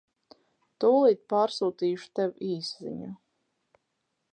Tūlīt pārsūtīšu tev īsziņu.